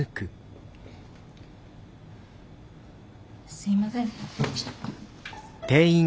すいません。